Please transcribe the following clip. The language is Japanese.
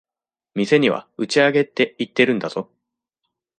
店には打ち上げって言ってるんだぞ。